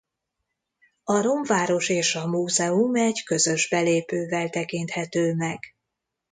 A romváros és a múzeum egy közös belépővel tekinthető meg.